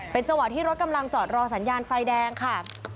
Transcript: เป็นจังหวะที่รถกำลังจอดรอสัญญาณไฟแดงค่ะ